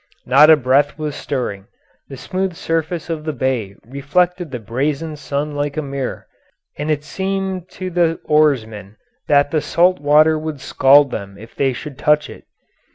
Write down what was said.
Not a breath was stirring, the smooth surface of the bay reflected the brazen sun like a mirror, and it seemed to the oarsmen that the salt water would scald them if they should touch it.